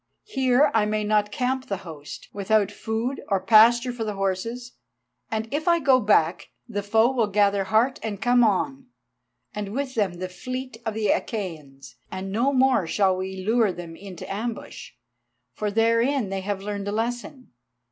Here I may not camp the host, without food or pasture for the horses, and if I go back, the foe will gather heart and come on, and with them the fleet of the Achæans, and no more shall we lure them into ambush, for therein they have learned a lesson.